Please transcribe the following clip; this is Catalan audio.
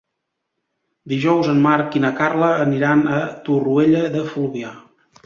Dijous en Marc i na Carla aniran a Torroella de Fluvià.